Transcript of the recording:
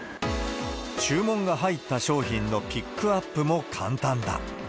注文が入った商品のピックアップも簡単だ。